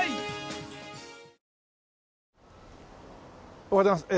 おはようございます。